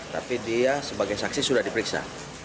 tapi dia sebagai saksi sudah diperiksa